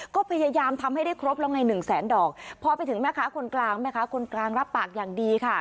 ก็พยายามทำให้ได้ครบแล้วไงหนึ่งแสนดอกพอไปถึงแม่ค้าคนกลางแม่ค้าคนกลางรับปากอย่างดีค่ะ